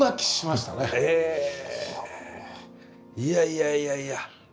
いやいやいやいや。